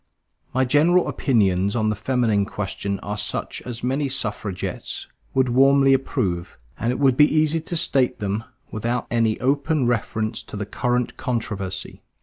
My general opinions on the feminine question are such as many suffragists would warmly approve; and it would be easy to state them without any open reference to the current controversy.